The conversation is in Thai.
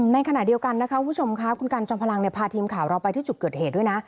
ในขณะเดียวกันคุณกันจอมพลังพาทีมข่าวเราไปที่จุดเกิดเหตุด้วยนะ